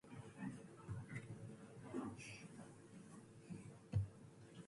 Kidneys and heart are target organs.